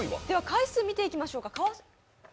回数見ていきましょうか。